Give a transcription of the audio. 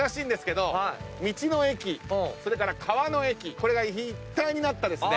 これが一体になったですね